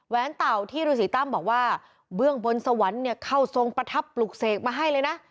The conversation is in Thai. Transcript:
เต่าที่ฤษีตั้มบอกว่าเบื้องบนสวรรค์เนี่ยเข้าทรงประทับปลูกเสกมาให้เลยนะ